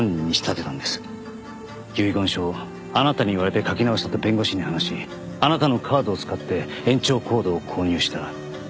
遺言書をあなたに言われて書き直したと弁護士に話しあなたのカードを使って延長コードを購入した。